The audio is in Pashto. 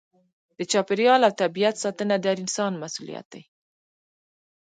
د چاپیریال او طبیعت ساتنه د هر انسان مسؤلیت دی.